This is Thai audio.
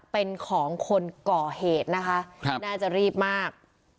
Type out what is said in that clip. เป็นของคนเกาะเหตุน่าจะรีบมาก